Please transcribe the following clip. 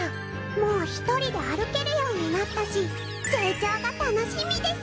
もう１人で歩けるようになったし成長が楽しみです！